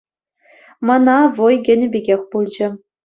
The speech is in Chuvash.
Мана вӑй кӗнӗ пекех пулчӗ.